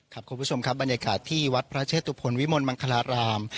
คุณผู้ชมครับบรรยากาศที่วัดพระเชตุพลวิมลมังคลาราม